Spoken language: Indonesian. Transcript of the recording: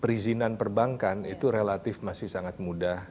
perizinan perbankan itu relatif masih sangat mudah